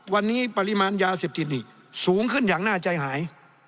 วันนี้ปริมาณยาเสพติดนี่สูงขึ้นอย่างน่าใจหาย